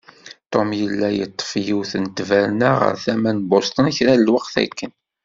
Tom yella yeṭṭef yiwet n ttberna ɣer tama n Bosten kra n lweqt akken.